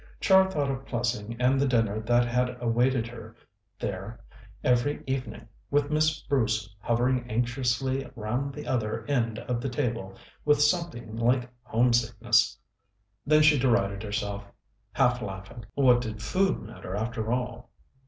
Char thought of Plessing and the dinner that had awaited her there every evening, with Miss Bruce hovering anxiously round the other end of the table, with something like homesickness. Then she derided herself, half laughing. What did food matter, after all?